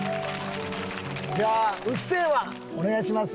じゃあ『うっせぇわ』お願いします。